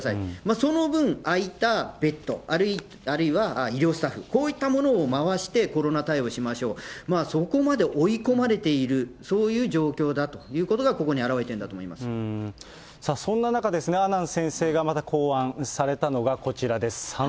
その分、空いたベッド、あるいは医療スタッフ、こういったものを回して、コロナ対応しましょう、そこまで追い込まれている、そういう状況だということが、そんな中、阿南先生がまた考案されたのがこちらです。